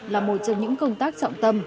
là một trong những công tác trọng tâm